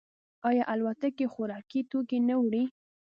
آیا الوتکې خوراکي توکي نه وړي؟